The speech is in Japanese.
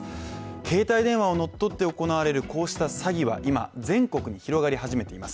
携帯電話を乗っ取って行われるこうした詐欺というのは今、全国に広がり始めています。